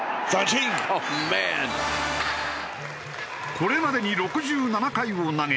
これまでに６７回を投げ８７奪三振。